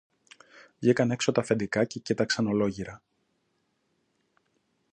Βγήκαν έξω τ' αφεντικά και κοίταξαν ολόγυρα.